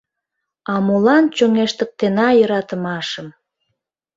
А молан чоҥештыктена йӧратымашым?